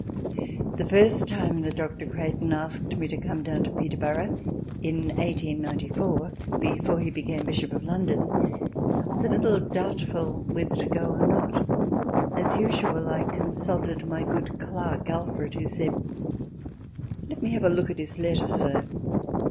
The first time that Dr. Creighton asked me to come down to Peterborough in 1894 before he became Bishop of London, I was a little doubtful whether to go or not. As usual, I consulted my good clerk, Alfred, who said: "Let me have a look at his letter, sir."